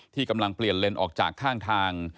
กำลังเปลี่ยนเลนส์ออกจากข้างทาง